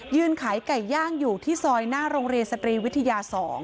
ขายไก่ย่างอยู่ที่ซอยหน้าโรงเรียนสตรีวิทยา๒